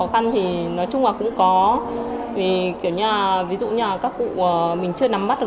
hãy đăng ký kênh để ủng hộ kênh của chúng mình nhé